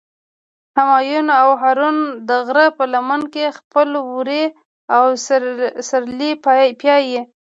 همایون او هارون د غره په لمن کې خپل وري او سرلي پیایی.